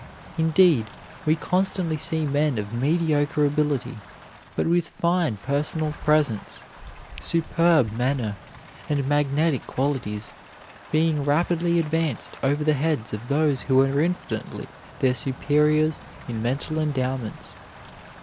Indeed, we constantly see men of mediocre ability but with fine personal presence, superb manner, and magnetic qualities, being rapidly advanced over the heads of those who are infinitely their superiors in mental endowments.